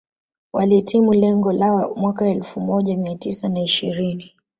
Walihitimu lengo lao mwaka wa elfu moja mia tisa na ishirini